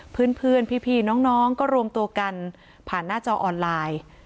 เพื่อนเพื่อนพี่พี่น้องน้องก็รวมตัวกันผ่านหน้าจอออนไลน์